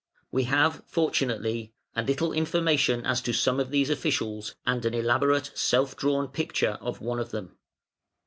We have, fortunately, a little information as to some of these officials, and an elaborate self drawn picture of one of them.